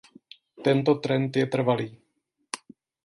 Tento trend je trvalý.